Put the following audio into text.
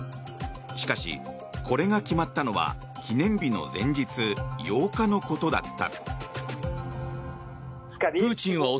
しかし、これが決まったのは記念日の前日８日のことだった。